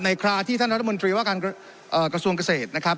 คราที่ท่านรัฐมนตรีว่าการกระทรวงเกษตรนะครับ